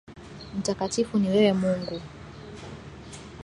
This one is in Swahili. Mtakatifu ni wewe Mungu.